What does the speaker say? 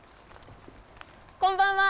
こんばんは。